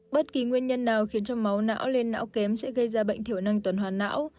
bất kỳ nguyên nhân nào khiến cho máu não lên não kém sẽ gây ra bệnh thiểu năng tuần hoàn não